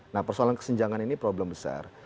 nah persoalan kesenjangan ini problem besar